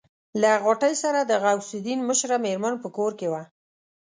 له غوټۍ سره د غوث الدين مشره مېرمن په کور کې وه.